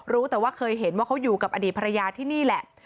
รู้แต่ว่าเคยเห็นว่าเขาอยู่กับอดีตภรรยาที่นี่แหละ